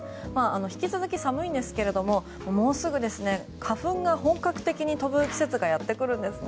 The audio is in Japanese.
引き続き寒いんですがもうすぐ花粉が本格的に飛ぶ季節がやってくるんですね。